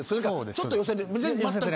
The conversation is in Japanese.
ちょっと寄せて。